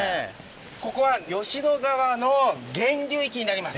ここは吉野川の源流域になります。